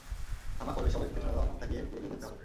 ধামাকা হলে সবাইকে পেছনে না তাকিয়ে বেরিয়ে যেতে হবে।